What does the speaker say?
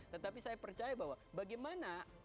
tetapi saya percaya bahwa bagaimana